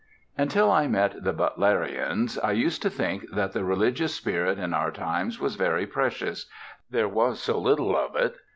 UNTIL I met the Butlerians I used to think that the religious spirit in our times was very precious, there was so little of it.